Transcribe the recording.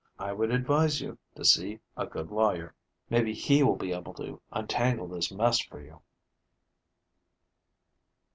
I would advise you to see a good lawyer. Maybe he will be able to untangle this mess for you."